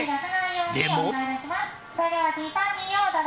でも。